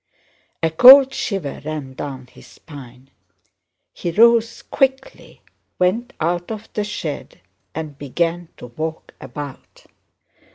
A cold shiver ran down his spine. He rose quickly, went out of the shed, and began to walk about.